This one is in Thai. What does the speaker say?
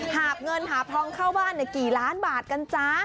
หาบเงินหาทองเข้าบ้านกี่ล้านบาทกันจ๊ะ